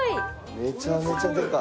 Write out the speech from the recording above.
めちゃめちゃでかい。